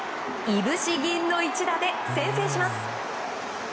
いぶし銀の一打で先制します。